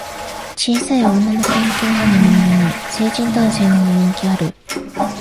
小さい女の子向けのアニメなのに、成人男性にも人気ある